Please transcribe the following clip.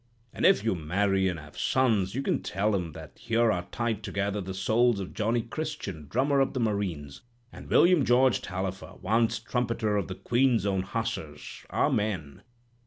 And if you marry and have sons, you can tell 'em that here are tied together the souls of Johnny Christian, drummer of the Marines, and William George Tallifer, once trumpeter of the Queen's Own Hussars. Amen.'